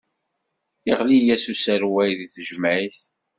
Iɣli-yas userwal di tejmaɛit.